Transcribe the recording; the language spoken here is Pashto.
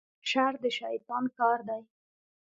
شر د شیطان کار دی